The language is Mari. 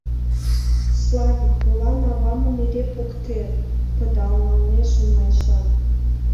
— Славик, молан авамым эре поктет? — пыдал налнеже Найжа.